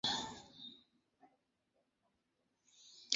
পেছনে ফিরে দেখতে চাইলে প্রায় একই দৈর্ঘ্যের চিত্র ভাসবে চোখের সামনে।